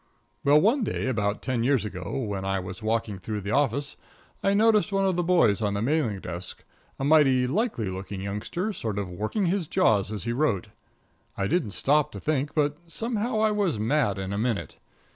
Well, one day, about ten years ago, when I was walking through the office, I noticed one of the boys on the mailing desk, a mighty likely looking youngster, sort of working his jaws as he wrote. I didn't stop to think, but somehow I was mad in a minute.